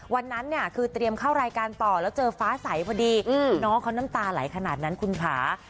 วันนั้นเนี่ยคือเตรียมเข้ารายการต่อแล้วเจอฟ้าใสพอดีน้องเขาน้ำตาไหลขนาดนั้นคุณค่ะ